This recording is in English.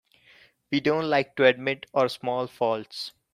We don't like to admit our small faults.